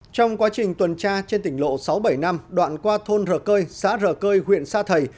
trong quá trình tuần tra trên tỉnh lộ sáu bảy năm đoạn qua thôn rờ cơi xã rờ cơi huyện sa thầy